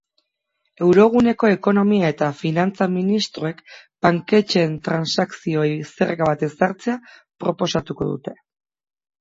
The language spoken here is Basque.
Euroguneko ekonomia eta finantza ministroek banketxeen transakzioei zerga bat ezartzea proposatuko dute.